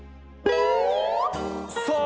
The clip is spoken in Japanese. さあ